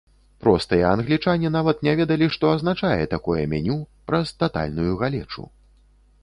Простыя англічане нават не ведалі, што азначае такое меню праз татальную галечу.